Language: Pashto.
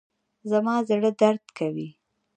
زما زړه درد کوي